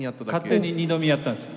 勝手に二度見やったんですよね。